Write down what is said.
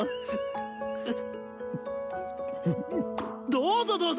どうぞどうぞ！